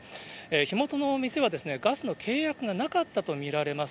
火元の店はガスの契約がなかったと見られます。